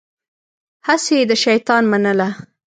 هسې يې د شيطان منله.